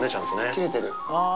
切れてる。